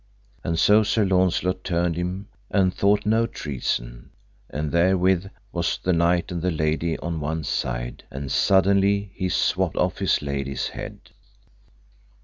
And so Sir Launcelot turned him and thought no treason, and therewith was the knight and the lady on one side, and suddenly he swapped off his lady's head.